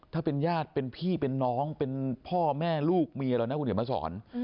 ถ้าเป็นญาติเป็นพี่เป็นน้องเป็นพ่อแม่ลูกเมียเรานะคุณเดี๋ยวมาสอน